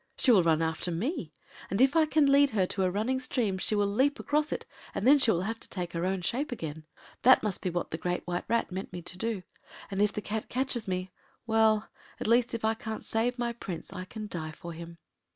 She will run after me, and if I can lead her to a running stream she will leap across it, and then she will have to take her own shape again. That must be what the Great White Rat meant me to do. And if the Cat catches me—well, at least if I can’t save my Prince I can die for him.